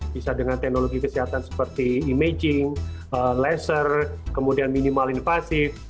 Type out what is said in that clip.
bisa dengan teknologi kesehatan seperti imaging laser kemudian minimal invasif